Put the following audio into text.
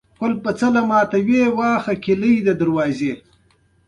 که څوک له اجازې پرته حرکت کاوه، سزا یې ترلاسه کړه.